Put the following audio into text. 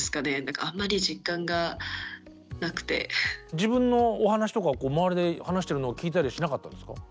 自分のお話とかを周りで話してるのを聞いたりはしなかったんですか？